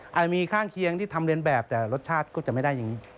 อาจจะมีข้างเคียงที่ทำเรียนแบบแต่รสชาติก็จะไม่ได้อย่างนี้